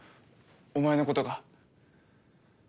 お前のことが。